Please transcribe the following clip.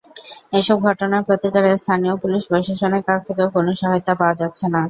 এসব ঘটনার প্রতিকারে স্থানীয় পুলিশ প্রশাসনের কাছ থেকেও কোনো সহায়তা পাওয়া যাচ্ছে না।